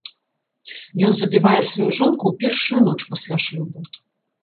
Ён забівае сваю жонку ў першую ноч пасля шлюбу.